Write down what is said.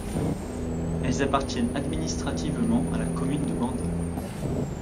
Elles appartiennent administrativement à la commune de Bandol.